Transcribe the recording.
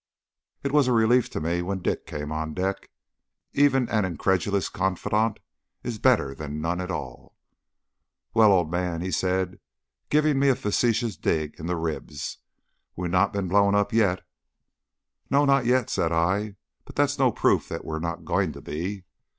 It was a relief to me when Dick came on deck. Even an incredulous confidant is better than none at all. "Well, old man," he said, giving me a facetious dig in the ribs, "we've not been blown up yet." "No, not yet," said I; "but that's no proof that we are not going to be."